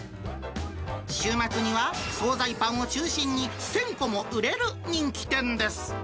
週末には、総菜パンを中心に１０００個も売れる人気店です。